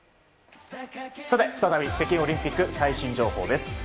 再び、北京オリンピック最新情報です。